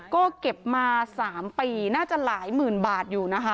ก็เก็บมา๓ปีน่าจะหลายหมื่นบาทอยู่นะคะ